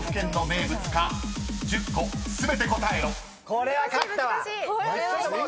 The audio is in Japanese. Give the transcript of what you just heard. これは勝ったわ！